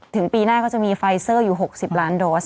ปีหน้าก็จะมีไฟเซอร์อยู่๖๐ล้านโดส